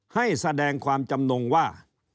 ให้แสดงความจำนงว่า